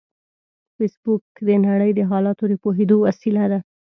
فېسبوک د نړۍ د حالاتو د پوهېدو وسیله ده